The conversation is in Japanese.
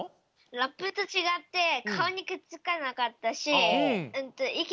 ラップとちがってかおにくっつかなかったしいき